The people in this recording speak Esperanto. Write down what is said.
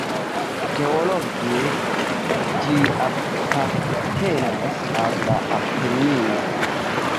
Geologie ĝi apartenas al la Apeninoj.